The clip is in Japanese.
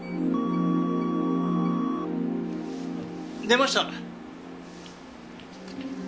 出ました。